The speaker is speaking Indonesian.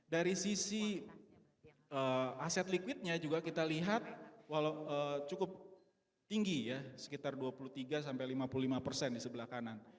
dari sisi aset liquidnya juga kita lihat cukup tinggi ya sekitar dua puluh tiga sampai lima puluh lima persen di sebelah kanan